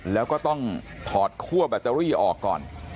แล้วก็ต้องถอดคั่วแบตเตอรี่ออกก่อน